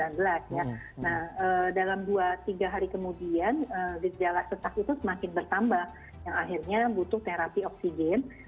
nah dalam dua tiga hari kemudian gejala sesak itu semakin bertambah yang akhirnya butuh terapi oksigen